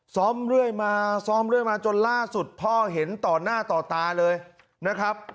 เรื่อยมาซ้อมเรื่อยมาจนล่าสุดพ่อเห็นต่อหน้าต่อตาเลยนะครับ